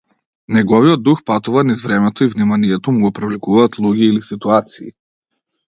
Неговиот дух патува низ времето и вниманието му го привлекуваат луѓе или ситуации.